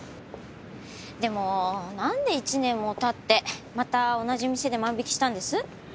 でもなんで１年も経ってまた同じ店で万引きしたんです？